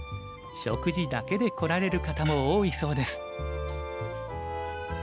食事だけで来られる方も多いそうです。